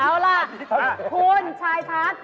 เอาล่ะคุณชายทัศน์